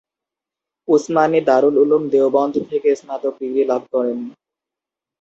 উসমানি দারুল উলুম দেওবন্দ থেকে স্নাতক ডিগ্রী লাভ করেন।